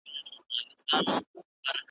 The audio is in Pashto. او پر غوږونو یې د رباب د شرنګ .